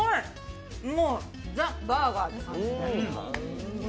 ザ・バーガーって感じで。